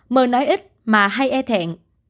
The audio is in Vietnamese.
m nói ít mà hay e thẹn